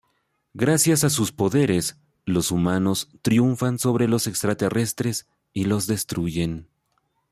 Gracias a sus poderes los humanos triunfan sobre los extraterrestres y los destruyen.